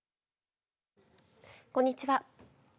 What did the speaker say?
こんにちは。